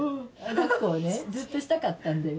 だっこをねずっとしたかったんだよ。